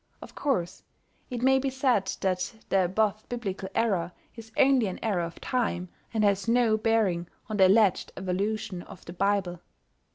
Of course, it may be said that the above biblical error is only an error of time, and has no bearing on the alleged evolution of the Bible.